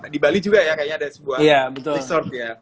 di bali juga ya kayaknya ada sebuah resort ya